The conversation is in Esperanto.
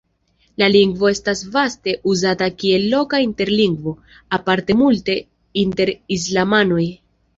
La lingvo estas vaste uzata kiel loka interlingvo, aparte multe inter islamanoj.